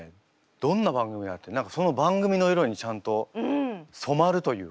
どんな番組やってもその番組の色にちゃんと染まるというか。